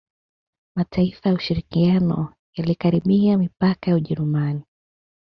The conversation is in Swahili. Mataifa ya ushirikiano yalikaribia mipaka ya Ujerumani